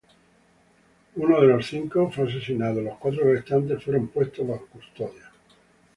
Uno de los cinco fue asesinado, los cuatro restantes fueron puestos bajo custodia.